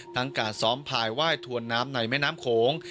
การซ้อมภายไหว้ถวนน้ำในแม่น้ำโขง